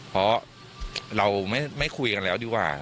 เพราะเราไม่คุยกันแล้วดีกว่า